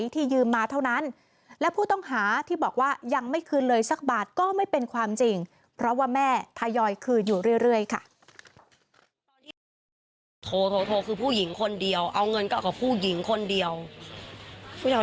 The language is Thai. แต่ทายอยคืออยู่เรื่อยค่ะ